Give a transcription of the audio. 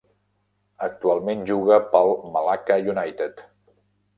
Actualment juga pel Melaka United.